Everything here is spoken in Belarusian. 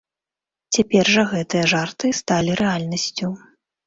Цяпер жа гэтыя жарты сталі рэальнасцю.